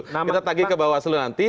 kita tagih ke bawas slu nanti